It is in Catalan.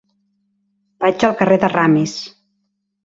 Vaig al carrer de Ramis.